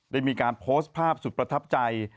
ได้มีการโพสต์ภาพสุดประทับใจ